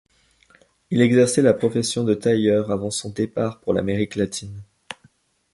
Il exerçait la profession de tailleur avant son départ pour l'Amérique Latine.